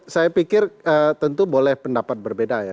saya pikir tentu boleh pendapat berbeda ya